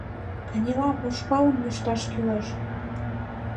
— Кынелам, ушкалым лӱшташ кӱлеш.